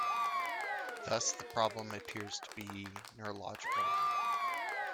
Thus the problem appears to be neurological.